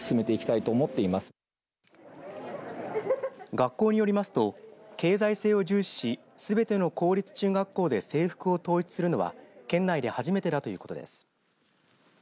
学校によりますと経済性を重視しすべての公立中学校で制服を統一するのは県内で初めてだということです。